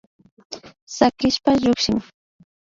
Sakishpa llukshin